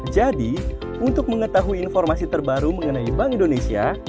jadi untuk mengetahui informasi terbaru mengenai bank indonesia